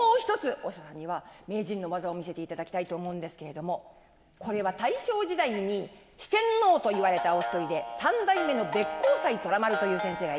御師匠さんには名人の技を見せていただきたいと思うんですけれどもこれは大正時代に四天王といわれたお一人で三代目の鼈甲斎虎丸という先生がいるんですね。